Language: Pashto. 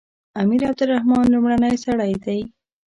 امیر عبدالرحمن لومړنی سړی دی.